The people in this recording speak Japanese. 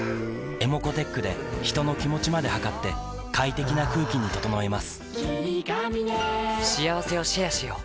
ｅｍｏｃｏーｔｅｃｈで人の気持ちまで測って快適な空気に整えます